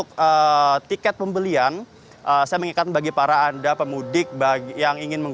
dan juga beberapa kendaraan roda dua yang datang